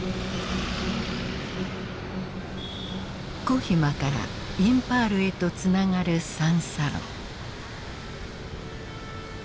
コヒマからインパールへとつながる三差路。